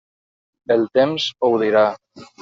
El temps ho dirà.